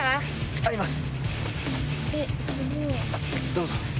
どうぞ。